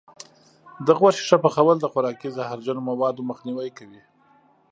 د غوښې ښه پخول د خوراکي زهرجنو موادو مخنیوی کوي.